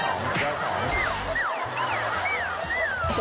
สวัสดีครับ